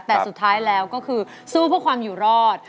แต่สุดท้ายแล้วก็คือสู้เพื่อความอยู่รอด